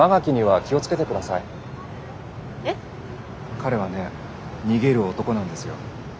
彼はね逃げる男なんですよ。